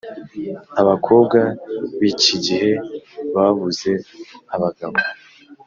Abakobwa bikigihe babuze abagabo